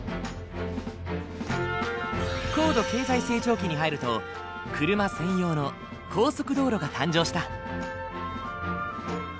高度経済成長期に入ると車専用の高速道路が誕生した。